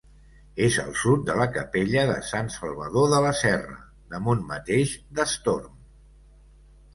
És al sud de la capella de Sant Salvador de la Serra, damunt mateix d'Estorm.